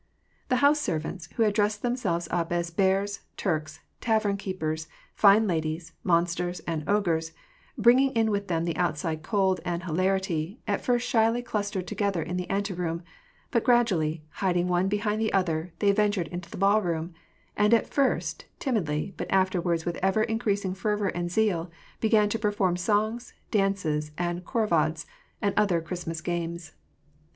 The house servants, who had dressed themselves up as bears, Turks, tavern keepers, fine ladies, monsters, and ogres, bring ing in with them the outside cold and hilarity, at first shyly clustered together in the anteroom ; but gradually, hiding one behind the other, they ventured into the ballroom ; and at first, timidly, but afterwards with ever increasing fervor and zeal, began to perform songs, dances, and khorovodsy and other Cluistmas games.